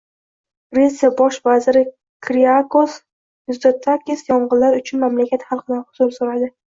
Gretsiya bosh vaziri Kiriakos Mizotakis yong‘inlar uchun mamlakat xalqidan uzr so‘radi